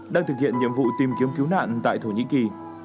đang thực hiện nhiệm vụ tìm kiếm cứu nạn tại thổ nhĩ kỳ